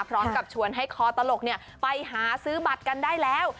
พร้อมกับชวนให้คอตลกไปหาซื้อบัตรกันได้แล้ว